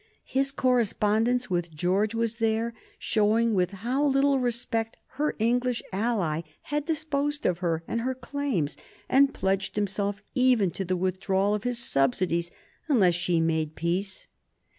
His correspondence with George was there, showing with how little respect her English ally had disposed of her and her claims, and pledged himself even to the withdrawal of his subsidies unless she made peace.